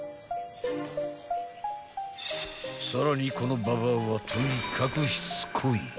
［さらにこのババアはとにかくしつこい］